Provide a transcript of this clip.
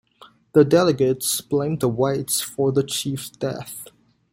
The delegates blamed the whites for the chief's death.